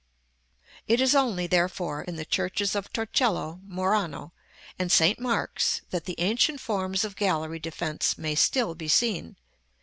§ XXI. It is only, therefore, in the churches of Torcello, Murano, and St. Mark's, that the ancient forms of gallery defence may still be seen.